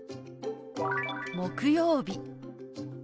「木曜日」。